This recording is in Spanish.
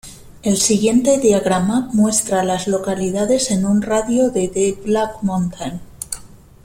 El siguiente diagrama muestra a las localidades en un radio de de Black Mountain.